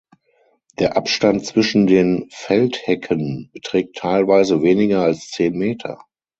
Der Abstand zwischen den Feldhecken beträgt teilweise weniger als zehn Meter.